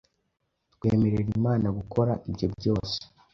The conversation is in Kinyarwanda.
Twemerera Imana gukora ibyo byose